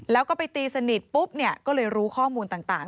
แล้วก็ไปตีสนิทปุ๊บเนี่ยก็เลยรู้ข้อมูลต่าง